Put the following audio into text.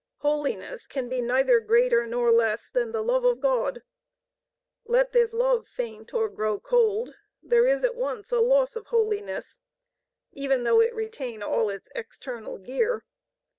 Holiness can be either greater nor less than the love of God. Let this love faint or grow cold, there is at once a loss of holiness, even though it retain all its external gear.